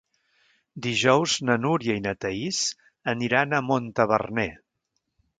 Dijous na Núria i na Thaís aniran a Montaverner.